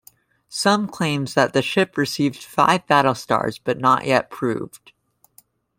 Some claims that the ship received five battle stars but not yet proved.